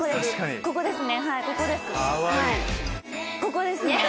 ここですね！